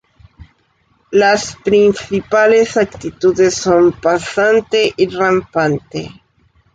Las principales actitudes son pasante y rampante.